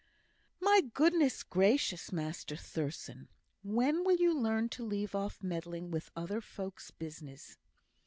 "My goodness gracious, Master Thurstan, when will you learn to leave off meddling with other folks' business!